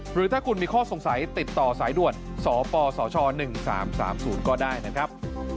หรือถ้าคุณมีข้อสงสัยติดต่อสายด่วนสปสช๑๓๓๐ก็ได้นะครับ